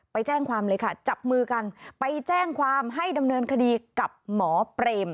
ไปแจ้งความเลยค่ะจับมือกันไปแจ้งความให้ดำเนินคดีกับหมอเปรม